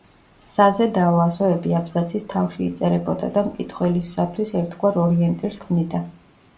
საზედაო ასოები აბზაცის თავში იწერებოდა და მკითხველისათვის ერთგვარ ორიენტირს ქმნიდა.